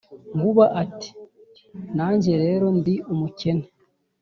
Nkuba ati « nanjye rero ndi umukene